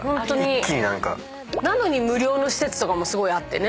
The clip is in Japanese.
なのに無料の施設とかもすごいあってね。